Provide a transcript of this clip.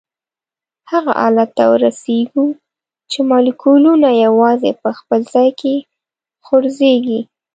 هغه حالت ته رسیږو چې مالیکولونه یوازي په خپل ځای کې خوځیږي.